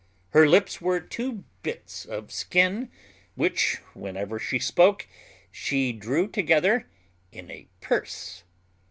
Her lips were two bits of skin, which, whenever she spoke, she drew together in a purse.